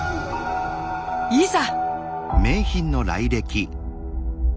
いざ。